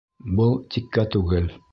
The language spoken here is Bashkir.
Был тиккә түгел.